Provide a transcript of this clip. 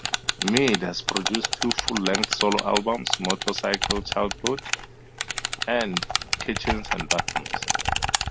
Meade has produced two full-length solo albums: "Motorcycle Childhood" and "Kitchens and Bathrooms".